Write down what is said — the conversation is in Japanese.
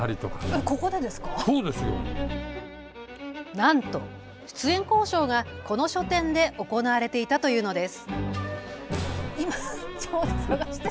なんと出演交渉がこの書店で行われていたというのです。